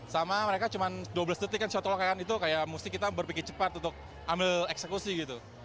sama mereka cuma dua belas detik kan shottle kayakan itu kayak mesti kita berpikir cepat untuk ambil eksekusi gitu